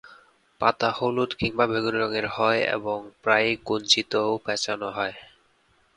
পাতা হলুদ বা বেগুনি রঙের হয় এবং প্রায়ই কুঞ্চিত ও প্যাঁচানো হয়।